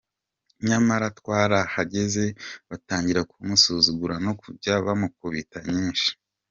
Nyamara twarahageze batangira kumusuzugura no kujya bamukubita inshyi.